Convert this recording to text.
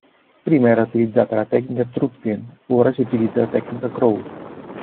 Prima era utilizzata la tecnica "trudgen" ora si utilizza la tecnica "crawl".